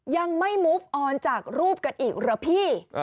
ยังไม่มูฟออนจากรูปกันอีกเหรอพี่